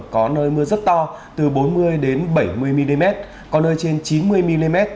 có nơi mưa rất to từ bốn mươi bảy mươi mm có nơi trên chín mươi mm